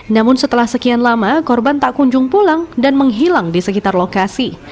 namun setelah sekian lama korban tak kunjung pulang dan menghilang di sekitar lokasi